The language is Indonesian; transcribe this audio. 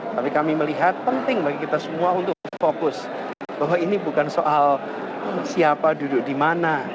tapi kami melihat penting bagi kita semua untuk fokus bahwa ini bukan soal siapa duduk di mana